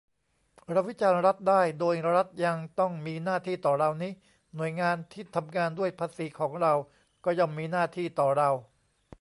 เราวิจารณ์รัฐได้ โดยรัฐยังต้องมีหน้าที่ต่อเรานิ หน่วยงานที่ทำงานด้วยภาษีของเราก็ย่อมมีหน้าที่ต่อเรา